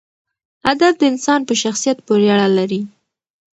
ادب د انسان په شخصیت پورې اړه لري.